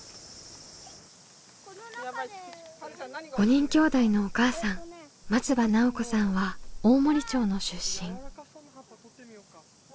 ５人きょうだいのお母さん松場奈緒子さんは大森町の出身。